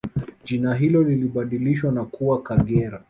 Jina hilo lilibadilishwa na kuwa Kagera